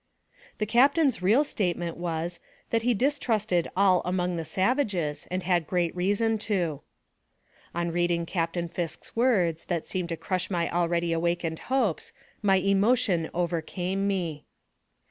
The captain's real statement was, that he distrusted all among the savages, and had great reason to. On reading Captain Fisk's words, that seemed to 150 NARRATIVE OF CAPTIVITY crush my already awakened hopes, my emotion over came me.